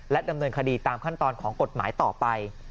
ดำเนินคดีตามขั้นตอนของกฎหมายต่อไป